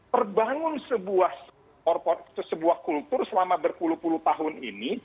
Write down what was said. terbangun sebuah kultur selama berpuluh puluh tahun ini